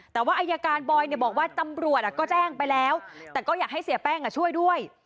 แต่ว่าอายการบอยบอกว่าตำรวจก็แจ้งไปแล้วแต่ก็อยากให้เสียแป้งช่วยด้วย